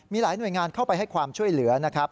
มีหลายหน่วยงานเข้าไปให้ความช่วยเหลือนะครับ